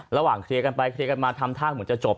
เคลียร์กันไปเคลียร์กันมาทำท่าเหมือนจะจบ